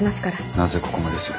なぜここまでする？